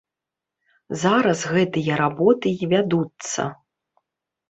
Зараз гэтыя работы і вядуцца.